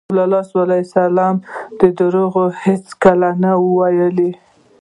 رسول الله ﷺ دروغ هېڅکله نه ویل.